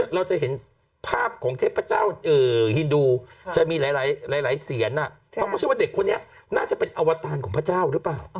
เราจะเห็นภาพของเทพเจ้าฮินดูจะมีหลายเสียนเขาก็เชื่อว่าเด็กคนนี้น่าจะเป็นอวตารของพระเจ้าหรือเปล่า